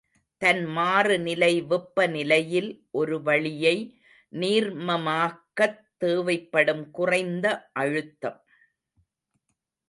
தன் மாறுநிலை வெப்ப நிலையில் ஒரு வளியை நீர்மமாக்கத் தேவைப்படும் குறைந்த அழுத்தம்.